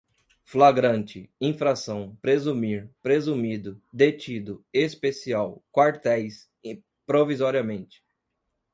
flagrante, infração, presumir, presumido, detido, especial, quartéis, provisoriamente